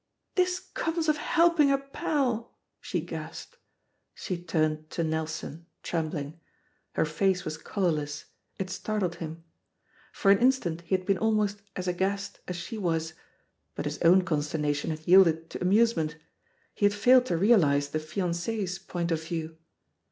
"This comes of helping a pall" she gasped. She turned to Nelson, trembling. Her face was colourless, it startled him. For an instant he had been almost as aghast as she, but his own con sternation had yielded to amusement; he had failed to realise the fiancee's point of view.